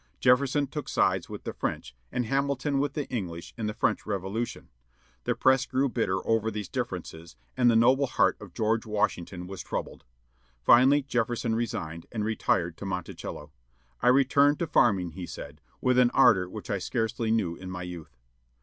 Jefferson took sides with the French, and Hamilton with the English in the French Revolution. The press grew bitter over these differences, and the noble heart of George Washington was troubled. Finally Jefferson resigned, and retired to Monticello. "I return to farming," he said, "with an ardor which I scarcely knew in my youth."